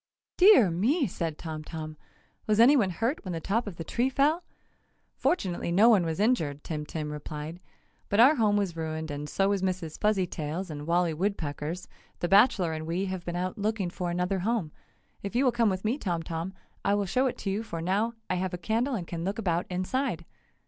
"Dear me!" said Tom Tom. "Was anyone hurt when the top of the tree fell?" "Fortunately no one was injured!" Tim Tim replied, "But our home was ruined and so was Mrs. Fuzzytail's and Wally Woodpecker's, the bachelor and we have been out looking for another home. If you will come with me, Tom Tom, I will show it to you, for now I have a candle and can look about inside!"